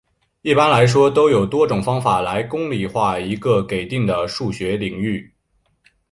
一般来说都有多种方法来公理化一个给定的数学领域。